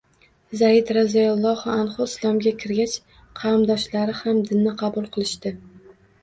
Zayd roziyallohu anhu Islomga kirgach, qavmdoshlari ham dinni qabul qilishdi